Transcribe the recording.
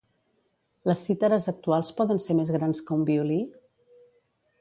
Les cítares actuals poden ser més grans que un violí?